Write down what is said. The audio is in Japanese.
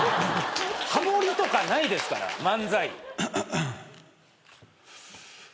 ハモりとかないですから漫才。